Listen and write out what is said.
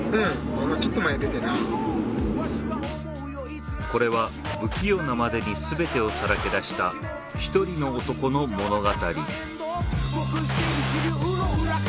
あのちょっと前出てなこれは不器用なまでに全てをさらけ出した一人の男の物語